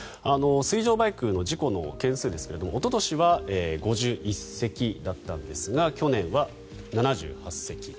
水上バイクの事故の件数ですがおととしは５１隻だったんですが去年は７８隻。